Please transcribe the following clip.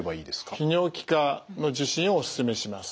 泌尿器科の受診をお勧めします。